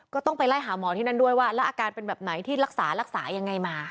ก็ต้องไปไล่หาหมอที่นั่นด้วยว่าแล้วอาการเป็นแบบไหนที่รักษารักษายังไงมา